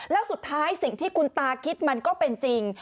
แล้วสุดท้ายสิ่งที่คุณตาคิดมันก็เป็นจริง